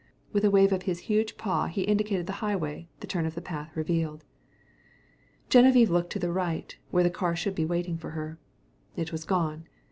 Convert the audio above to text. With a wave of his huge paw he indicated the highway the turn of the path revealed. Geneviève looked to the right, where the car should be waiting her. It was gone.